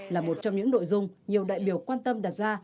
là một trong những nội dung nhiều đại biểu quan tâm đặt ra